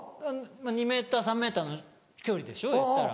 ２ｍ３ｍの距離でしょいったら。